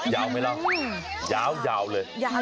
ยาวมั้ยล่ะยาวเลย